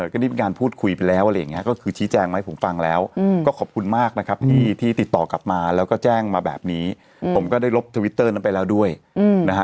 ก็ได้มีการพูดคุยไปแล้วอะไรอย่างนี้ก็คือชี้แจงมาให้ผมฟังแล้วก็ขอบคุณมากนะครับที่ติดต่อกลับมาแล้วก็แจ้งมาแบบนี้ผมก็ได้ลบทวิตเตอร์นั้นไปแล้วด้วยนะฮะ